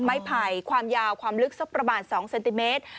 ไผ่ความยาวความลึกสักประมาณ๒เซนติเมตร